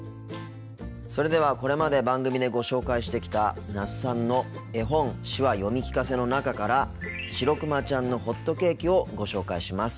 それではこれまで番組でご紹介してきた那須さんの「絵本手話読み聞かせ」の中から「しろくまちゃんのほっとけーき」をご紹介します。